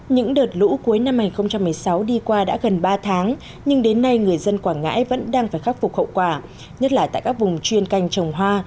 những đợt lũ cuối năm hai nghìn một mươi sáu đi qua đã gần ba tháng nhưng đến nay người dân quảng ngãi vẫn đang phải khắc phục hậu quả nhất là tại các vùng chuyên canh trồng hoa